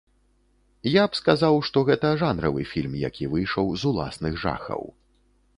Я б сказаў, што гэта жанравы фільм, які выйшаў з уласных жахаў.